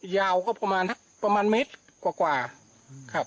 ยาวก็ประมาณเมตรกว่าครับ